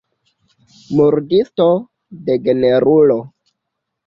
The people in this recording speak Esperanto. Murdisto, degenerulo.